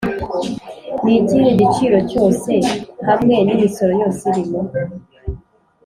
ni ikihe giciro cyose hamwe n'imisoro yose irimo?